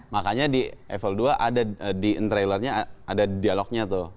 makanya di level dua ada di en trailernya ada dialognya tuh